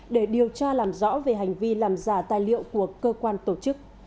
để điều tra làm rõ về hành vi làm giả tài liệu của cơ quan tổ chức